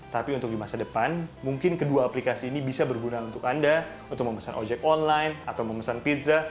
tapi untuk di masa depan mungkin kedua aplikasi ini bisa berguna untuk anda untuk memesan ojek online atau memesan pizza